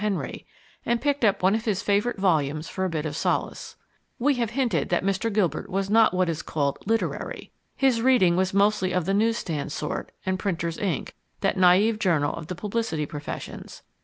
Henry, and picked up one of his favourite volumes for a bit of solace. We have hinted that Mr. Gilbert was not what is called "literary." His reading was mostly of the newsstand sort, and Printer's Ink, that naive journal of the publicity professions.